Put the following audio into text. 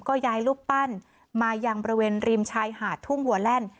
ก็ย้ายรูปปั้นมายังบริเวณริมชายหาดทุ่งหัวแล่น